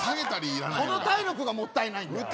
この体力がもったいないんだよ